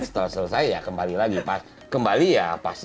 setelah selesai ya kembali lagi pas